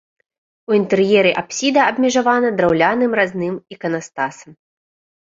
У інтэр'еры апсіда адмежавана драўляным разным іканастасам.